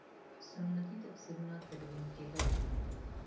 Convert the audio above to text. سنتي تفسیرونه تدوین کېدل.